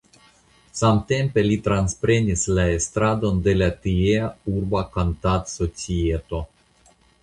Samtempe li transprenis la estradon de la tiea urba Kantadsocieto.